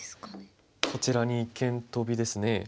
こちらに一間トビですね。